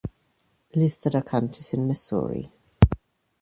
Liste der Countys in Missouri